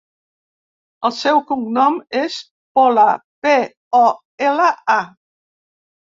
El seu cognom és Pola: pe, o, ela, a.